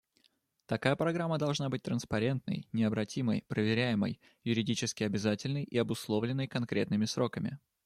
Такая программа должна быть транспарентной, необратимой, проверяемой, юридически обязательной и обусловленной конкретными сроками.